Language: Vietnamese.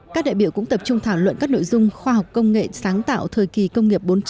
các đại biểu cũng tập trung thảo luận các nội dung khoa học công nghệ sáng tạo thời kỳ công nghiệp bốn